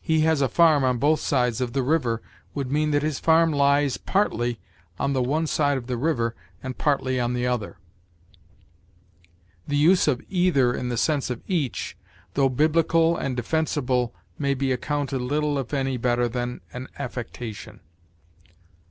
"He has a farm on both sides of the river" would mean that his farm lies partly on the one side of the river and partly on the other. The use of either in the sense of each, though biblical and defensible, may be accounted little if any better than an affectation.